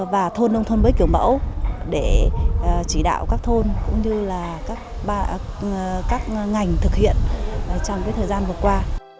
và thôn nông thôn mới kiểu mẫu để chỉ đạo các thôn cũng như là các ngành thực hiện trong thời gian vừa qua